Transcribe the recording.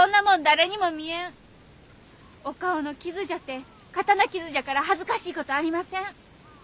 お顔の傷じゃて刀傷じゃから恥ずかしいことありません。